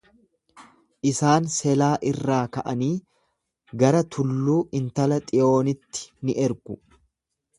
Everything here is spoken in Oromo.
Isaan Selaa irraa ka'anii gara tulluu intala Xiyoonitti ni ergu.